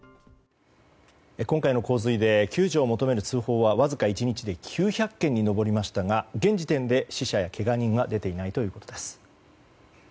今回の洪水で救助を求める通報はわずか１日で９００件に上りましたが現時点で死者やけが人は出ていないということです。